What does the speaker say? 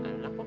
itu enak kok